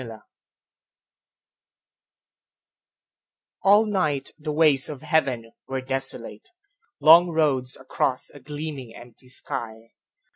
Victory ALL night the ways of Heaven were desolate, Long roads across a gleaming empty sky.